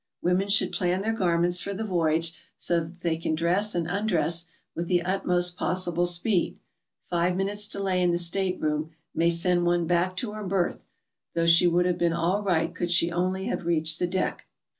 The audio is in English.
Women should plan their garments for the voyage so that they can dress and undress with the utmost possible speed; five min utes' delay in the stateroom may send one back to her berth, though she would have been all right could she only have reached the deck.